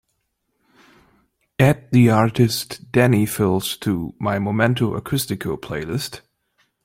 add the artist dani filth to my momento acústico playlist